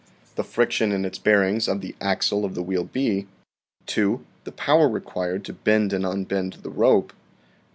The friction in its bearings of the axle of the wheel B. 2. The power required to bend and unbend the rope.